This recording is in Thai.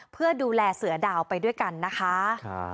เพื่อดูแลเสือดาวไปด้วยกันนะคะ